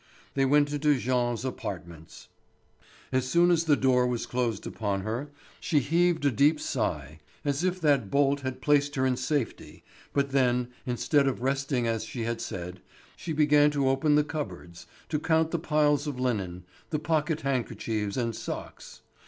They went into Jean's apartments. As soon as the door was closed upon her she heaved a deep sigh, as if that bolt had placed her in safety, but then, instead of resting as she had said, she began to open the cupboards, to count the piles of linen, the pocket handkerchiefs, and socks.